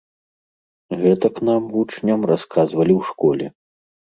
Гэтак нам, вучням, расказвалі ў школе.